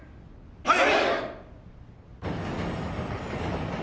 はい！